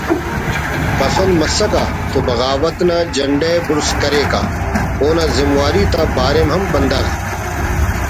پسند“ مسکہ تو بغاوت نا جنڈہ ءِ بڑز کریکہ اونا زمواری تا باریم ہم بندغ